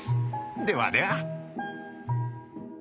ではでは。